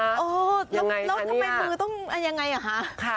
แล้วทำไมมือต้องยังไงอ่ะคะ